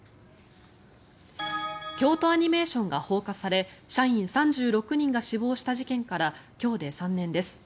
京都アニメーションが放火され社員３６人が死亡した事件から今日で３年です。